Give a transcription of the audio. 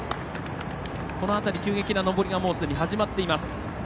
この辺り、急激な上りがもう始まっています。